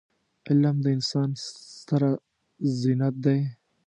علم د انسان ستره زينت دی.